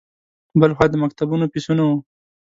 بل خوا د مکتبونو فیسونه وو.